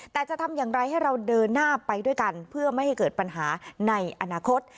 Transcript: แต่จะทำอย่างไรให้เราเดินหน้าไปด้วยกันเพื่อไม่ให้เกิดปัญหาในอนาคต